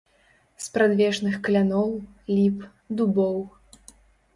Спрадвечных кляноў, ліп, дубоў.